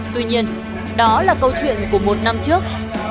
tuy nhiên đó là câu chuyện của một năm trước